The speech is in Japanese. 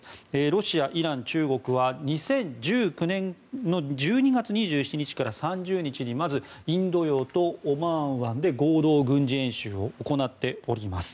ロシア、イラン、中国は２０１９年の１２月２７日から３０日にまずインド洋とオマーン湾で合同軍事演習を行っております。